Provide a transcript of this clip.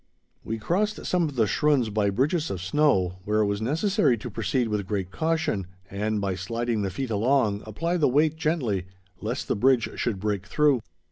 We crossed some of the schrunds by bridges of snow, where it was necessary to proceed with great caution, and, by sliding the feet along, apply the weight gently, lest the bridge should break through.